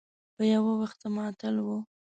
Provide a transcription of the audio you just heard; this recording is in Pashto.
په یو وېښته معطل و.